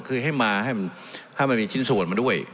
คือให้มาให้มันให้มันมีชิ้นส่วนมาด้วย